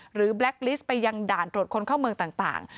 แบล็กลิสต์ไปยังด่านตรวจคนเข้าเมืองต่าง